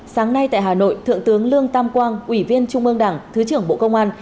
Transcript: sáng nay tại hà nội thượng tướng lương tam quang ủy viên trung ương đảng thứ trưởng bộ công an